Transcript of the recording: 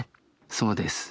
そうです。